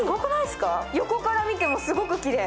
横から見てもすごくきれい。